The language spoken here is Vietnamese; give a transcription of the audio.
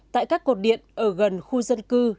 tại các cột điện ở gần khu dân